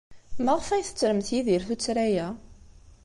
Maɣef ay tettremt Yidir tuttra-a?